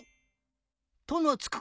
「と」のつく